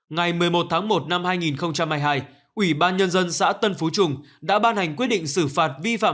ngày một mươi một tháng một năm hai nghìn hai mươi hai ủy ban nhân dân xã tân phú trung đã ban hành quyết định xử phạt vi phạm